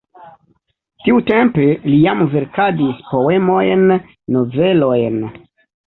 Tiutempe li jam verkadis poemojn, novelojn.